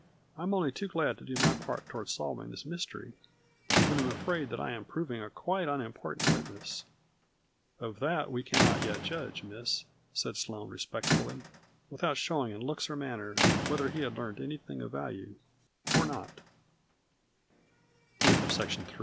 " I am only too glad to do my part toward solving this mystery, but am afraid that I am proving a quite unimportant witness." " Of that we cannot yet judge, Miss," said Sloane respectfully, without showing in looks or manner whether he had learned any